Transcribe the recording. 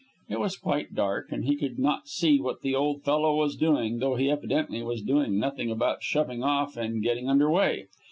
It was quite dark and he could not see what the old fellow was doing, though he evidently was doing nothing about shoving off and getting under way.